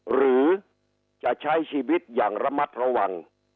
หรือจะใช้ชีวิตอย่างระมัดระวัง